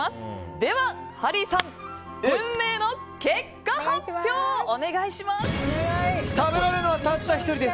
ではハリーさん、運命の結果発表お願いします。